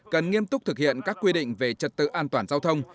cần nghiêm túc thực hiện các quy định về trật tự an toàn giao thông